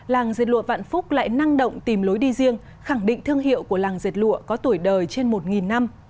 làng dệt lụa vạn phúc lại năng động tìm lối đi riêng khẳng định thương hiệu của làng dệt lụa có tuổi đời trên một năm